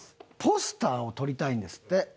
ポスターを撮りたいんですって。